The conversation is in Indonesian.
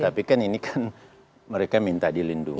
tapi kan ini kan mereka minta dilindungi